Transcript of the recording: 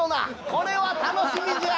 これは楽しみじゃ！